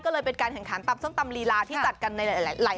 ก็เลยเป็นการแข่งขันตำส้มตำลีลาที่จัดกันในหลาย